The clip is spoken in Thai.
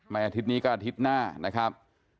อาทิตย์นี้ก็อาทิตย์หน้านะครับ